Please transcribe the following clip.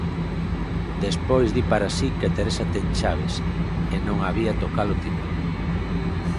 Despois, di para si que Teresa ten chaves e non había toca-lo timbre.